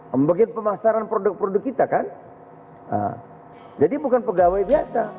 pembagian pemasaran produk produk kita kan jadi bukan pegawai biasa